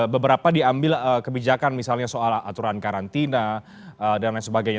beberapa diambil kebijakan misalnya soal aturan karantina dan lain sebagainya